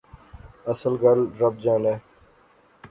اصل گل رب جانے